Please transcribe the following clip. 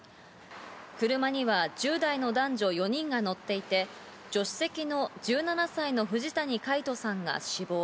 車には１０代の男女４人が乗っていて、助手席の１７歳の藤谷海人さんが死亡。